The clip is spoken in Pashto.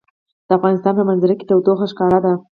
د افغانستان په منظره کې تودوخه ښکاره ده.